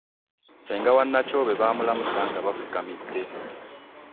Ssenga wa Nakyobe bamulamusa nga bafukamidde.